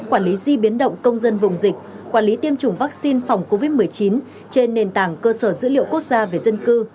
quản lý di biến động công dân vùng dịch quản lý tiêm chủng vaccine phòng covid một mươi chín trên nền tảng cơ sở dữ liệu quốc gia về dân cư